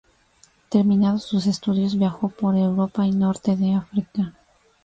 Terminados sus estudios viajó por Europa y norte de África.